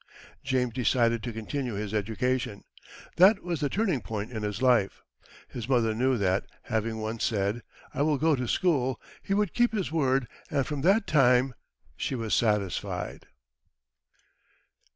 James decided to continue his education. That was the turning point in his life. His mother knew that, having once said, "I will go to school," he would keep his word, and from that time she was satisfied.